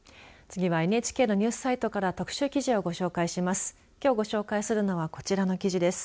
次はＮＨＫのニュースサイトから特集記事をご紹介します。